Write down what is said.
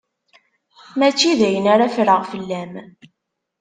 Mačči d ayen ara ffreɣ fell-am.